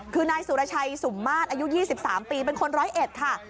คือนายสุรชัยสุมมาศอายุ๒๓ปีเป็นคน๑๐๑ค่ะ